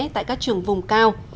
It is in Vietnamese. tại các trường vùng cao